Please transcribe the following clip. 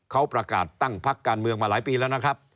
เขาประกาศตั้งพักการเมืองมาหลายปีแล้วนะครับ